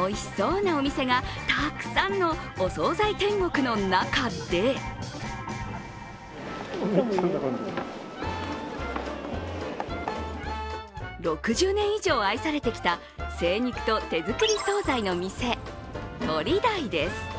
おいしそうなお店がたくさんのお総菜天国の中で６０年以上愛されてきた精肉と手作り総菜の店、鳥大です。